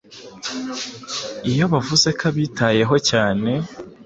aho yavuze ko abitayeho cyane